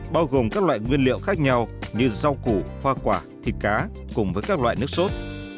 bao gồm các loại nguyên liệu khác nhau như rau củ hoa quả thịt cá cùng với các loại nước sốt